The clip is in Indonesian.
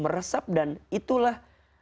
meresap dan itulah